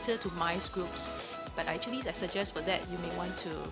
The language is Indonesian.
tapi sebenarnya saya sarankan untuk itu anda mungkin ingin berusaha